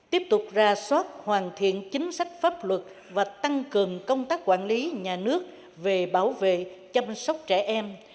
tiếp tục ra soát hoàn thiện chính sách pháp luật và tăng cường công tác quản lý nhà nước về bảo vệ chăm sóc trẻ em